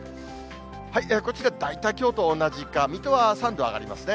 こっちが大体きょうと同じか、水戸は３度上がりますね。